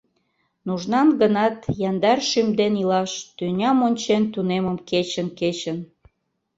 Нужнан гынат, яндар шӱм ден илаш Тӱням ончен тунемым кечын-кечын.